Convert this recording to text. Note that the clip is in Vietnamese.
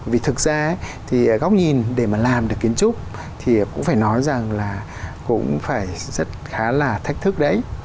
vì thực ra thì góc nhìn để mà làm được kiến trúc thì cũng phải nói rằng là cũng phải rất khá là thách thức đấy